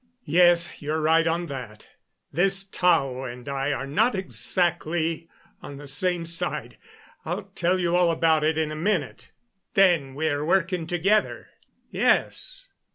"Yes, you're right on that. This Tao and I are not exactly on the same side. I'll tell you all about it in a minute." "Then, we're working together?" "Yes."